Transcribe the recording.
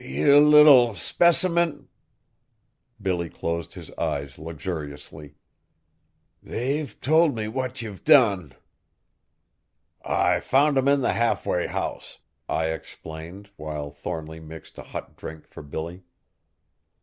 "Ye little specimint!" Billy closed his eyes luxuriously. "They've told me what ye've done!" "I found him in the halfway house," Ai explained while Thornly mixed a hot drink for Billy.